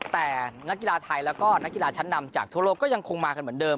แต่นักกีฬาไทยแล้วก็นักกีฬาชั้นนำจากทั่วโลกก็ยังคงมากันเหมือนเดิม